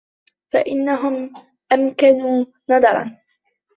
فَإِنَّهُمْ أَمْكَنُ نَظَرًا